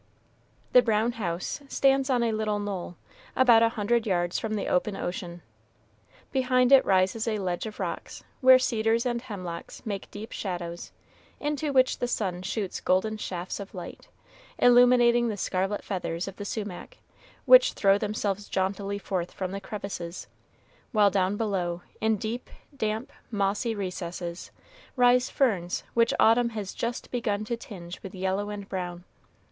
The brown house stands on a little knoll, about a hundred yards from the open ocean. Behind it rises a ledge of rocks, where cedars and hemlocks make deep shadows into which the sun shoots golden shafts of light, illuminating the scarlet feathers of the sumach, which throw themselves jauntily forth from the crevices; while down below, in deep, damp, mossy recesses, rise ferns which autumn has just begun to tinge with yellow and brown.